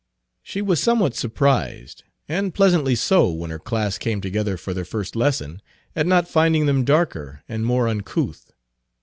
She was somewhat surprised, and pleasantly so, when her class came together for their first lesson, at not finding them darker and more uncouth.